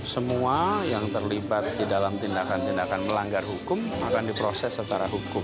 semua yang terlibat di dalam tindakan tindakan melanggar hukum akan diproses secara hukum